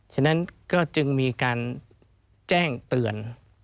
ฉะนั้นก็จึงมีการแจ้งเตือน